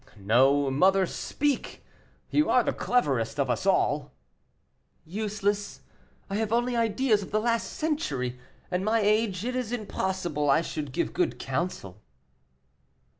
"No, mother; speak, you are the cleverest of us all." "Useless; I have only ideas of the last century; at my age it is impossible I should give good counsel."